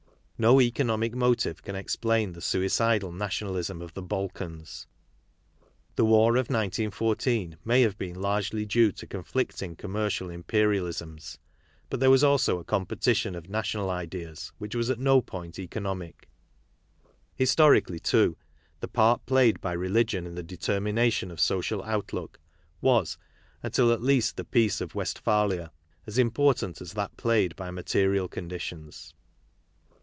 No , economic motive , cajX..explaiii„lJi.e.&uIcidal nationalism ^JheJBalkans. The, war of 1914 may have BSH^Targely due"to"conHicting commercial imperial isms ; but there was also a competition of national ideas which was at no point economic. Historically, too, the 34 KARL MARX nail played by religion in the determination of social butlook was, until at least the peace of Westphalia, as important as that played by material conditions.